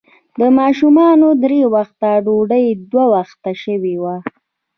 د ماشومانو درې وخته ډوډۍ، دوه وخته شوې وه.